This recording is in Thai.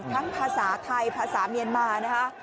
ภาษาไทยภาษาเมียนมานะคะ